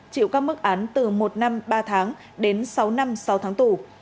chịu các mức án từ một năm ba tháng đến sáu năm sáu tháng tù